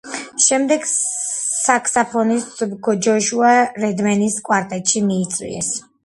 შემდეგ საქსაფონისტ ჯოშუა რედმენის კვარტეტში მიიწვიეს.